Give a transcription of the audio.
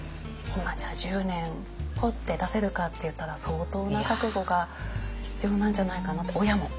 今じゃあ１０年ポッて出せるかっていったら相当な覚悟が必要なんじゃないかなって親も。